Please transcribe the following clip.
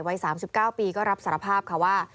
วัย๓๙ปีก็รับสารภาพค่ะว่า